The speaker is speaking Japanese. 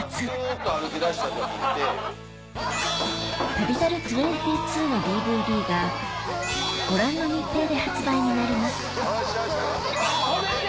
『旅猿２２』のＤＶＤがご覧の日程で発売になります止めて！